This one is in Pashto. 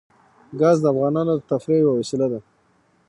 ګاز د افغانانو د تفریح یوه وسیله ده.